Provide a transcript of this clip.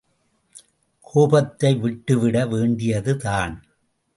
கோபத்தை விட்டுவிட வேண்டியது தான்!